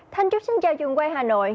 thanh chúc xin chào trường quay hà nội